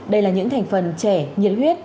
đây là những thành phần trẻ nhiệt huyết